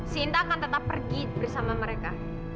sinta akan tetap pergi bersama mereka